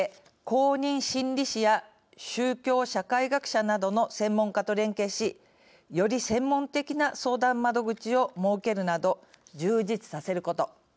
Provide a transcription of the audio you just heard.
公認心理師や宗教社会学者などの専門家と連携しより専門的な相談窓口を設けるなど充実させること。